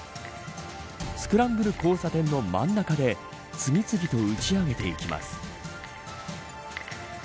スクランブル交差点の真ん中で次々と打ち上げていきます。